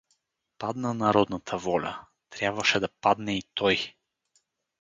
Падна народната воля — трябваше да падне и той.